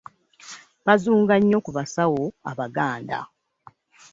Bazunga nnyo ku basawo abaganda.